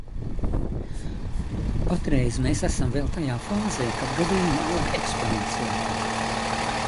Patreiz mēs esam vēl tajā fāzē, kad gadījumi aug eksponenciāli.